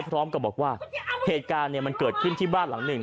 พร้อมกับบอกว่าเหตุการณ์มันเกิดขึ้นที่บ้านหลังหนึ่ง